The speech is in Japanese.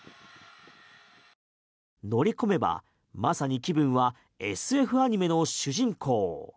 乗り込めば、まさに気分はＳＦアニメの主人公。